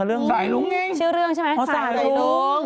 สายลุงเองชื่อเรื่องใช่ไหมสายลุง